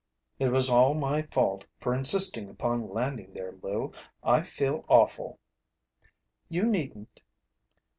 "It was all my fault for insisting upon landing there. Lou, I feel awful." "You needn't."